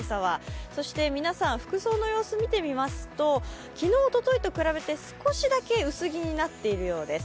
そして、皆さん服装の様子を見てみますと、昨日、おとといと比べて少しだけ薄着になっているようです。